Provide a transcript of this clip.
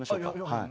はい。